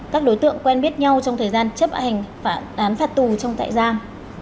các đối tượng quen biết nhau trong thời gian chấp ảnh đán phạt tù trong tại gian